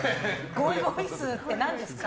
ゴイゴイスーって何ですか？